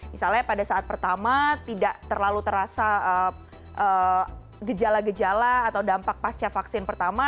misalnya pada saat pertama tidak terlalu terasa gejala gejala atau dampak pasca vaksin pertama